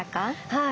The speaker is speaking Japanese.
はい。